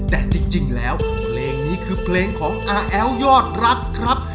แต่จริงแล้วเพลงนี้คือเพลงของอาแอ๋วยอดรักครับ